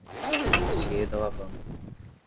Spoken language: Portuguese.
Dossiê da lavanda